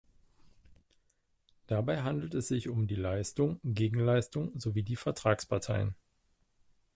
Dabei handelt es sich um die Leistung, Gegenleistung sowie die Vertragsparteien.